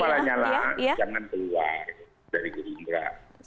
kalau saya mengimbau pak lanya lah jangan keluar dari gerindra